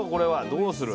どうする？